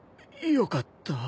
よかった。